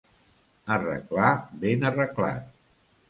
Arreglar ben arreglat.